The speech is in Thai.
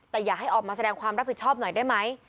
แต่อยากให้ออกมาแสดงความรับผิดชอบหน่อยได้ไหม